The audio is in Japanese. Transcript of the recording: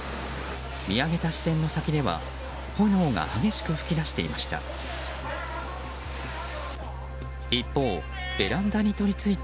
見上げた視線の先では炎が激しく噴き出していました。